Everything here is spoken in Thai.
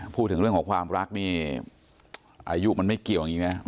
พูดถึงเรื่องของความรักนี่อายุมันไม่เกี่ยวอย่างนี้นะ